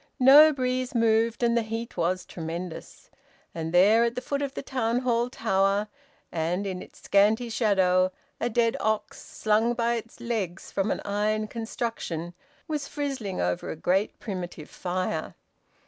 No breeze moved, and the heat was tremendous. And there at the foot of the Town Hall tower, and in its scanty shadow, a dead ox, slung by its legs from an iron construction, was frizzling over a great primitive fire.